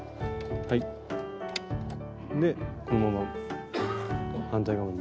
でこのまま反対側まで。